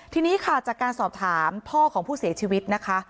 ทีนี้ค่ะจากการสอบถามพ่อของผู้เสียชีวิตนะคะ